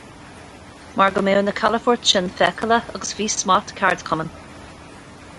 Mar go mbeadh na calafoirt sin feiceálach agus faoi smacht ceardchumann.